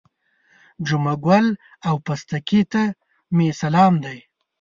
جمعه ګل او پستکي ته مې سلام دی.